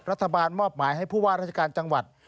รัฐบาลมอบหมายให้ผู้ว่าราชการจังหวัด